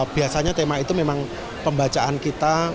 biasanya tema itu memang pembacaan kita